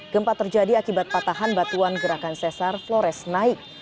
gempa terjadi akibat patahan batuan gerakan sesar flores naik